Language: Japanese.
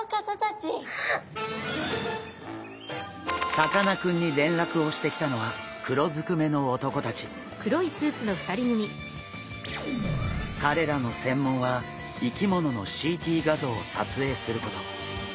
さかなクンに連絡をしてきたのはかれらの専門は生き物のＣＴ画像を撮影すること。